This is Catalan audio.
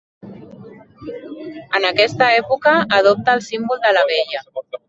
En aquesta època adopta el símbol de l'abella.